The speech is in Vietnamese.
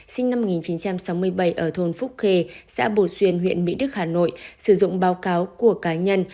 sinh năm một nghìn chín trăm sáu mươi bảy ở thôn phúc khê xã bồ xuyên huyện mỹ đức hà nội sử dụng báo cáo của cá nhân